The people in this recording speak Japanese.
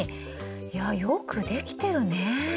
いやよく出来てるね。